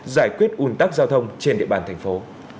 giải quyết ủn tắc giao thông trên địa bàn thành phố